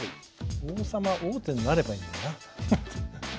王様王手になればいいんだよな。